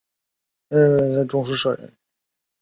其以善书为中书舍人。